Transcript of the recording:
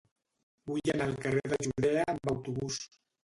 Vull anar al carrer de Judea amb autobús.